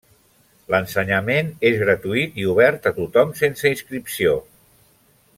L'ensenyament és gratuït i obert a tothom sense inscripció.